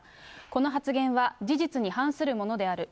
この発言は事実に反するものである。